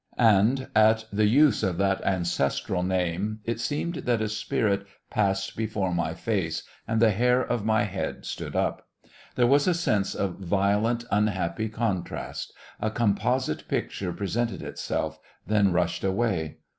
And at the use of that ancestral name it seemed that a spirit passed before my face and the hair of my head stood up. There was a sense of violent, unhappy contrast. A composite picture presented itself, then rushed away.